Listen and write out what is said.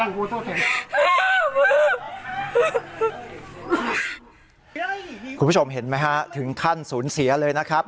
คุณผู้ชมเห็นไหมฮะถึงขั้นสูญเสียเลยนะครับ